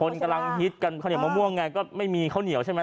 คนกำลังฮิตกันข้าวเหนียวมะม่วงไงก็ไม่มีข้าวเหนียวใช่ไหม